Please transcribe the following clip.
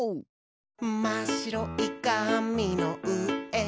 「まっしろいかみのうえをハイ！」